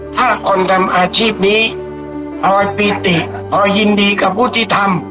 ถ้าคนทำอาชีพนี้พอปีติพอยินดีกับวุฒิธรรม